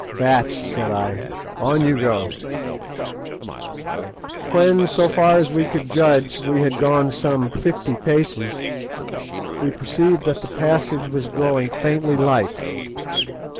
"Bats," said I; "on you go." When, so far as we could judge, we had gone some fifty paces, we perceived that the passage was growing faintly light.